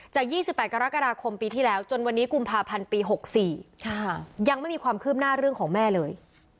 จากยี่สิบแปดกรกฎาคมปีที่แล้วจนวันนี้กุมภาพันธ์ปีหกสี่ค่ะยังไม่มีความเคลือบหน้าเรื่องของแม่เลย